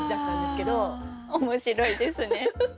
面白いですね。